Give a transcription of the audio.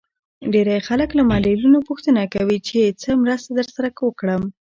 ډېری خلک له معلولينو پوښتنه کوي چې څه مرسته درسره وکړم.